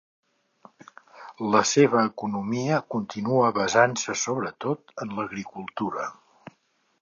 La seva economia continua basant-se, sobre tot, en l'agricultura.